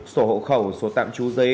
sổ hộ khẩu sổ tạm trú giấy